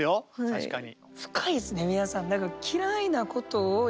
確かに。